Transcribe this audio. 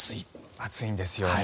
暑いんですよね。